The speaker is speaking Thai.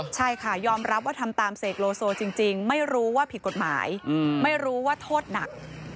ใช่ค่ะยอมรับว่าทำตามเสกโลโซจริงไม่รู้ว่าผิดกฎหมายไม่รู้ว่าโทษหนัก